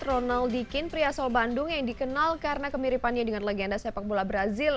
ronald dikin pria asal bandung yang dikenal karena kemiripannya dengan legenda sepak bola brazil